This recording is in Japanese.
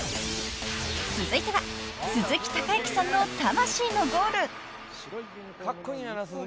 ［続いては鈴木隆行さんの魂のゴール］